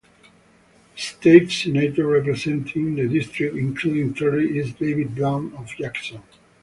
The state senator representing the district including Terry is David Blount of Jackson.